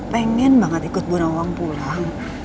pengen banget ikut burawang pulang